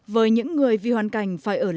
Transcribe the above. với những người vì hoàn cảnh